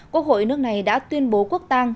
quốc hội nước này đã tuyên bố quốc tăng